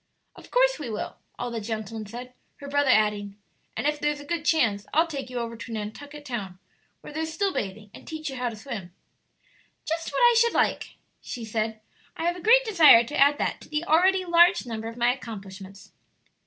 "Of course we will!" all the gentlemen said, her brother adding, "And if there's a good chance, I'll take you over to Nantucket Town, where there's still bathing, and teach you to swim." "Just what I should like," she said. "I have a great desire to add that to the already large number of my accomplishments."